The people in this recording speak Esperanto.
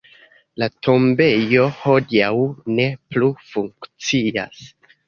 La tombejo hodiaŭ ne plu funkcias.